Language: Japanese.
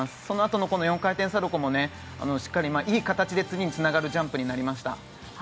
そのあとのこの４回転サルコウもしっかりいい形で次につながるジャンプになりました。